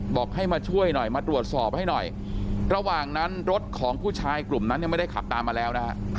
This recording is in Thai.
บอกให้มาช่วยหน่อยมาตรวจสอบให้หน่อยระหว่างนั้นรถของผู้ชายกลุ่มนั้นยังไม่ได้ขับตามมาแล้วนะฮะ